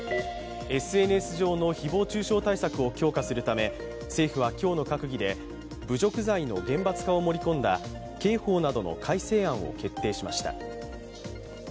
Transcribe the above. ＳＮＳ上のひぼう中傷対策を強化するため政府は今日の閣議で、侮辱罪の厳罰化を盛り込んだ刑法などの改正案を決定しました。